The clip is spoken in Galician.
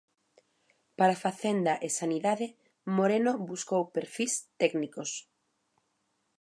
Para Facenda e Sanidade, Moreno buscou perfís técnicos.